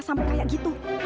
sampai kayak gitu